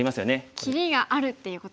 切りがあるっていうことなんですね。